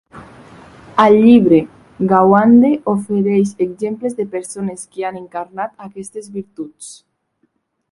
Al llibre, Gawande ofereix exemples de persones que han encarnat aquestes virtuts.